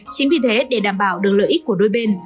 chính vì thế để đảm bảo được lợi ích của đôi bên